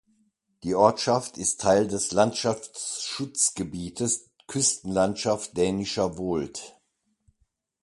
Die Ortschaft ist Teil des „Landschaftsschutzgebietes Küstenlandschaft Dänischer Wohld“.